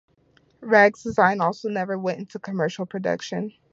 Raggs' design also never went into commercial production.